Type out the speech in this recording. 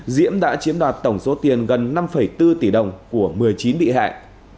diễm đã chiếm đoạt tổng số tiền gần năm bốn tỷ đồng của một mươi chín bị hại